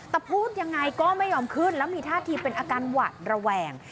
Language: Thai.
แต่พูดยังไงก็ไม่ยอมขึ้นแล้วมีท่าทีเป็นอาการหวัดระแวง